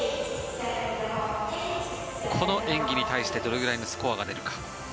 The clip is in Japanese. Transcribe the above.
この演技に対してどのぐらいのスコアが出るか。